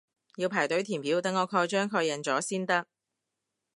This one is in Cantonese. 要排隊填表等我蓋章確認咗先得